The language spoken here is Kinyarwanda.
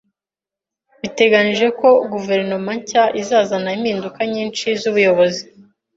Biteganijwe ko guverinoma nshya izazana impinduka nyinshi z’ubuyobozi